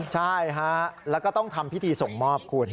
ใช่ฮะแล้วก็ต้องทำพิธีส่งมอบคุณ